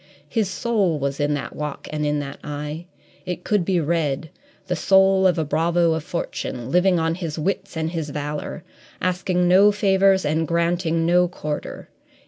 His soul was in that walk and in that eye; it could be read the soul of a bravo of fortune, living on his wits and his valour, asking no favours and granting no quarter.